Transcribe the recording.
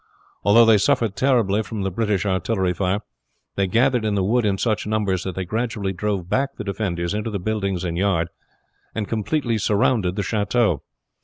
Although they suffered terribly from the British artillery fire, they gathered in the wood in such numbers that they gradually drove back the defenders into the buildings and yard, and completely surrounded the chateau.